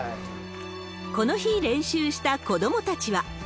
この日、練習した子どもたちは。